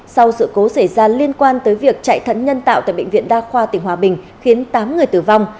sau sự cố xảy ra liên quan tới việc chạy thận nhân tạo tại bệnh viện đa khoa tỉnh hòa bình khiến tám người tử vong